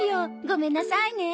ごめんなさいね。